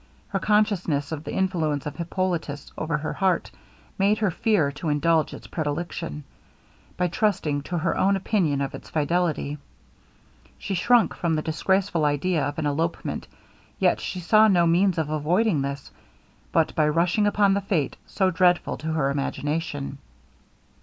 Her consciousness of the influence of Hippolitus over her heart, made her fear to indulge its predilection, by trusting to her own opinion of its fidelity. She shrunk from the disgraceful idea of an elopement; yet she saw no means of avoiding this, but by rushing upon the fate so dreadful to her imagination.